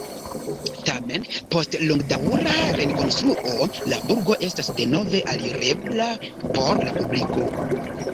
Tamen post longdaŭra rekonstruo la burgo estas denove alirebla por la publiko.